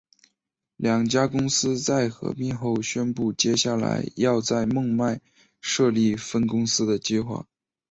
两家公司在合并后宣布接下来要在孟买设立分公司的计划。